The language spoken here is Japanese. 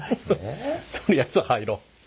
とりあえず入ろう。